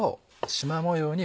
しま模様に？